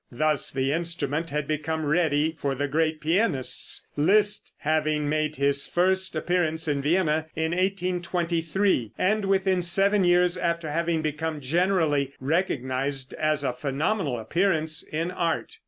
Thus the instrument had become ready for the great pianists Liszt having made his first appearance in Vienna in 1823, and within seven years after having become generally recognized as a phenomenal appearance in art.